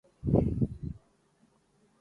یہ نہ کہیے کہ سبھی خواب سہانے ہیں بہت